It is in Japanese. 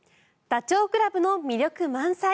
ダチョウ倶楽部の魅力満載！